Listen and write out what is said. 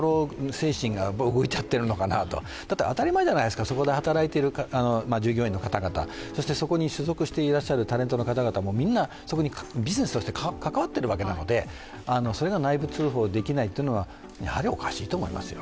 精神が動いているのかなと当たり前じゃないですか、そこで働いている従業員の方々、そしてそこに所属してらっしゃるタレントの方々もみんなビジネスとして関わっているわけなのでそれが内部通報できないというのは、やはりおかしいと思いますよ。